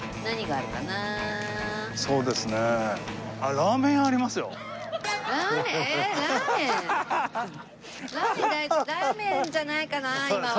ラーメンラーメンじゃないかな今は。